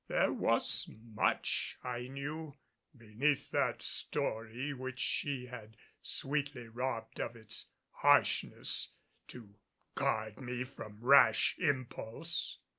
There was much, I knew, beneath that story which she had sweetly robbed of its harshness to guard me from rash impulse.